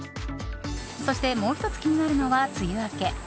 そして、もう１つ気になるのは梅雨明け。